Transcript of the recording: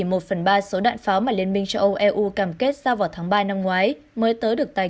một phần ba số đạn pháo mà liên minh châu âu eu cam kết giao vào tháng ba năm ngoái mới tới được tái